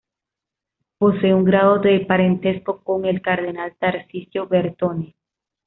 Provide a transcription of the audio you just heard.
Posee un grado de parentesco con el cardenal Tarcisio Bertone.